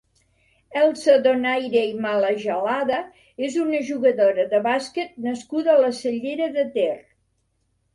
Elsa Donaire i Malagelada és una jugadora de bàsquet nascuda a la Cellera de Ter.